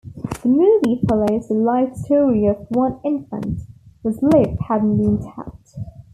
The movie follows the life story of one infant, whose lip hadn't been tapped.